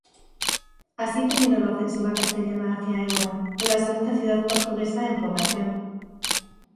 Así terminó la ofensiva castellana hacia Évora, la segunda ciudad portuguesa en población.